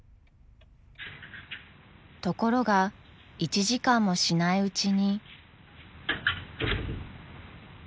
［ところが１時間もしないうちに］